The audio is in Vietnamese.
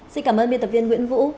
xin cảm ơn biên tập viên nguyễn vũ